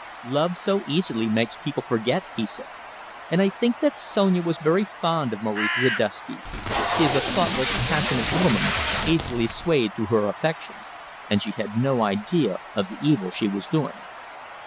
"Love so easily makes people forgetful," he said, "and I think that Sonia was very fond of Maurice Ziduski. She is a thoughtless, passionate woman, easily swayed through her affections, and she had no idea of the evil she was doing."